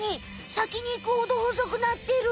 先にいくほどほそくなってる！